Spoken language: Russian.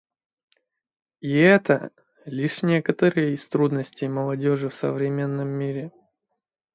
И это — лишь некоторые из трудностей молодежи в современном мире.